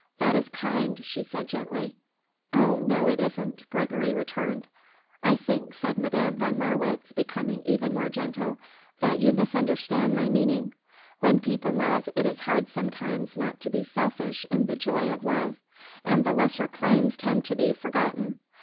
"That is kind," she said gently. "Oh no, it isn't," Gregory returned. "I think," said Madame von Marwitz, becoming even more gentle, "that you misunderstand my meaning. When people love, it is hard sometimes not to be selfish in the joy of love, and the lesser claims tend to be forgotten.